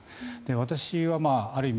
私はある意味